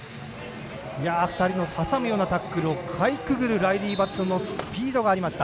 ２つの挟むようなタックルをかいくぐるライリー・バットのスピードがありました。